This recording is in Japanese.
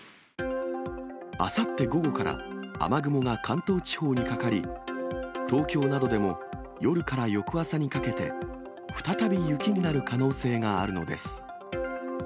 あさって午後から、雨雲が関東地方にかかり、東京などでも、夜から翌朝にかけて、再び雪になる可能性があるのです。